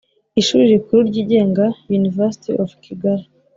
Ishuri rikuru ryigenga University of Kigali